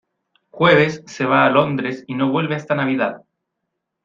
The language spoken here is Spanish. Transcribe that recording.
Jueves se va a Londres y no vuelve hasta Navidad.